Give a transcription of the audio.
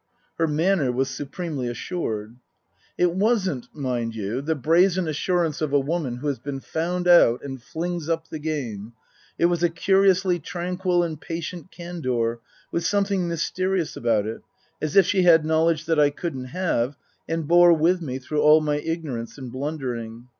Her manner was supremely assured. It wasn't, mind you, the brazen assurance of a woman who has been found out and flings up the game ; it was a curiously tranquil and patient candour, with something mysterious about it, as if she had knowledge that I couldn't have, and bore with me through all my ignorance and blun dering.